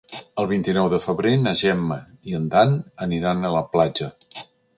El vint-i-nou de febrer na Gemma i en Dan aniran a la platja.